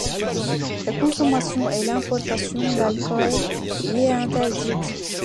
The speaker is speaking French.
La consommation et l'importation d'alcool y est interdite.